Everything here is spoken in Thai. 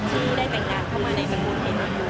ที่ได้กันงานเข้ามาในสมมตินี้